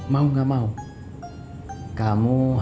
tapi kalau udah begini